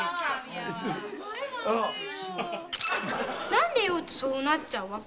「何で酔うとそうなっちゃうわけ？」